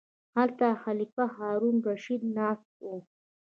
هلته خلیفه هارون الرشید ناست و.